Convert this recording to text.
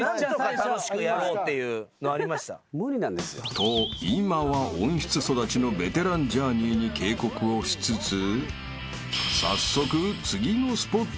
［と今は温室育ちのベテランジャーニーに警告をしつつ早速］